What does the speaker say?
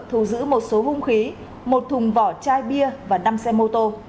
thu giữ một số hung khí một thùng vỏ chai bia và năm xe mô tô